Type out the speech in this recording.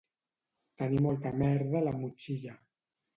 Tenir molta merda a la motxila